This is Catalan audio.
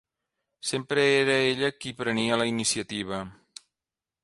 Sempre era ella qui prenia la iniciativa.